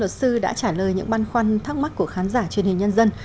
luật sư đã trả lời những băn khoăn thắc mắc của khán giả truyền hình nhân dân